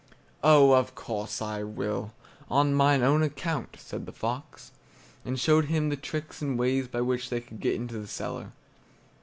"Oh, of course I will, on mine own account!" said the fox, and showed him the tricks and ways by which they could get into the cellar.